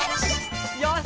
よし！